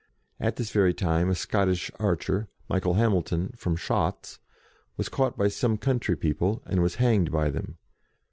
At this very time a Scottish archer, Michael Hamilton, from Shotts, was caught by some country people, and was hanged by them.